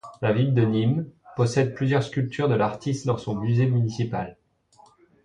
La ville de Nîmes, possède plusieurs sculptures de l'artistes dans son musée municipal.